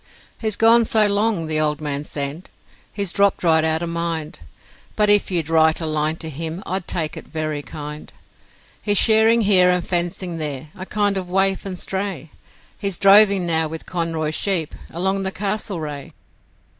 'He's gone so long,' the old man said, 'he's dropped right out of mind, But if you'd write a line to him I'd take it very kind; He's shearing here and fencing there, a kind of waif and stray, He's droving now with Conroy's sheep along the Castlereagh.